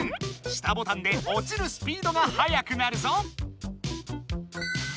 下ボタンでおちるスピードがはやくなるぞ！